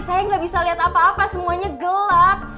saya gak bisa liat apa apa semuanya gelap